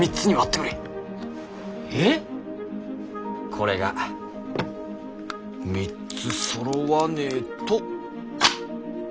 これが３つそろわねぇと。